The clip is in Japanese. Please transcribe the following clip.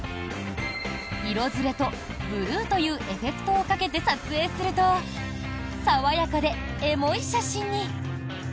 色ずれとブルーというエフェクトをかけて撮影すると爽やかでエモい写真に。